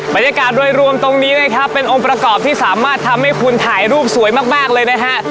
บรรยากาศโดยรวมตรงนี้นะครับเป็นองค์ประกอบที่สามารถทำให้คุณถ่ายรูปสวยมากเลยนะฮะ